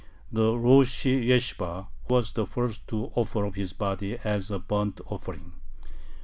The Rosh Yeshibah was the first to offer up his body as a burnt offering.